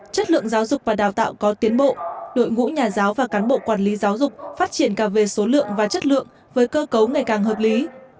chất lượng giáo dục và đào tạo có tiến bộ đội ngũ nhà giáo và cán bộ quản lý giáo dục phát triển cả về số lượng và chất lượng với cơ cấu ngày càng hợp lý